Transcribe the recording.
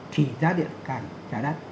thì giá điện càng trả đắt